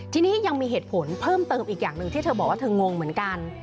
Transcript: ทีนี้ยังมีเหตุผลเพิ่มเติมอีกอย่างหนึ่งที่เธอบอกว่าเธองงเหมือนกัน